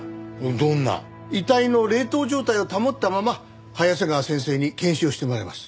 遺体の冷凍状態を保ったまま早瀬川先生に検視をしてもらいます。